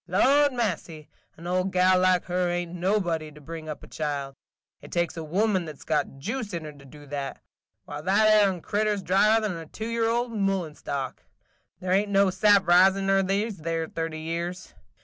Lordy massy, an old gal like her ain't nobody to bring up a child. It takes a woman that 's got juice in her to do that. Why, that 'ere crittur 's drier 'n a two year old mullen stalk. There ain't no sap ris in her these 'ere thirty years.